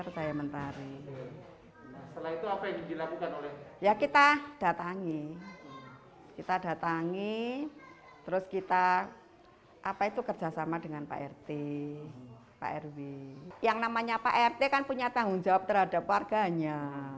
jadi ya ikut bantulah untuk menyelesaikan warganya